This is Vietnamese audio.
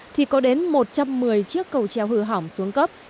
thì có đến một trăm một mươi chiếc cầu treo hư hỏng xuống cấp